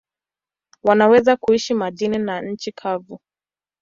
Wanaweza kuishi majini na nchi kavu.